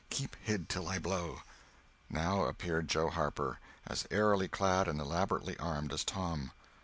Keep hid till I blow." Now appeared Joe Harper, as airily clad and elaborately armed as Tom.